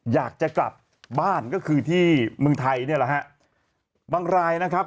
อยากจะกลับบ้านก็คือที่เมืองไทยนี่แหละครับ